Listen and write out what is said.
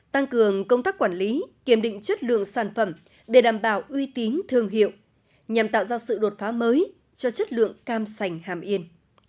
tăng cường công tác quản lý kiểm định chất lượng sản phẩm để đảm bảo uy tín thương hiệu nhằm tạo ra sự đột phá mới cho chất lượng cam sành hàm yên